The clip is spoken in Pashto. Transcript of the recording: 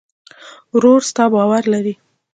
ورور ستا باور لري.